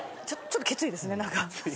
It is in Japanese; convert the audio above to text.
ちょっときついですね何か。